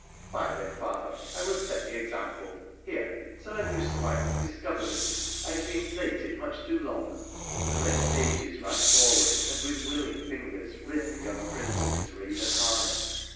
' Why, then, father, I will set the example. Here ! some of you squires, discover me ; I have been plated much to long !' and the ready pages ran forward, and with willing fingers rid the young prince of his raven harness.